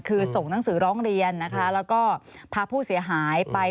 คือส่งหนังสือร้องเรียนนะคะแล้วก็พาผู้เสียหายไป